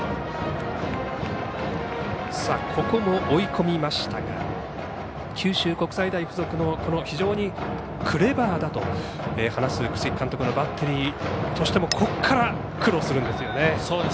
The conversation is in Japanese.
ここも追い込みましたが九州国際大付属の非常にクレバーだと話す楠城監督がバッテリーからしてもここから苦労するんですよね。